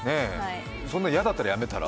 そんな嫌だったらやめたら？